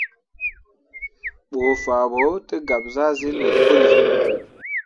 Bə faa ɓo tə gab zahsyil ɓe pəli.